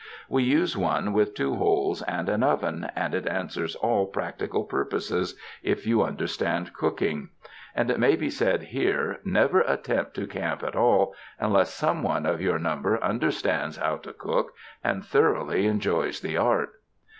We use one with two holes and an oven, and it answers all practical pur poses, if you understand cooking. And it may be said here, never attempt to camp at all, unless some one of your number understands how to cook and thoroughly enjoys the art.